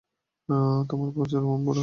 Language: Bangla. আর তোমার প্রচারেই তো আমি বড় হয়েছি।